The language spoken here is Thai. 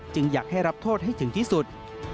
อยากให้รับโทษให้ถึงที่สุด